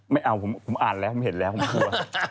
ไม่เอาผมอ่านแล้วผมเห็นแล้วผมกลัว